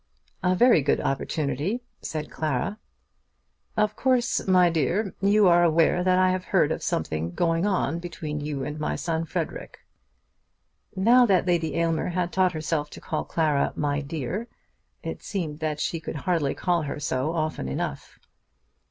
"A very good opportunity," said Clara. "Of course, my dear, you are aware that I have heard of something going on between you and my son Frederic." Now that Lady Aylmer had taught herself to call Clara "my dear," it seemed that she could hardly call her so often enough.